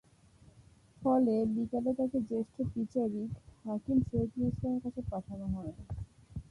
ফলে বিকেলে তাঁকে জ্যেষ্ঠ বিচারিক হাকিম শহীদুল ইসলামের কাছে পাঠানো হয়।